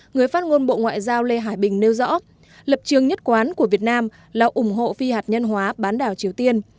người phát ngôn bộ ngoại giao lê hải bình nêu rõ lập trường nhất quán của việt nam là ủng hộ phi hạt nhân hóa bán đảo triều tiên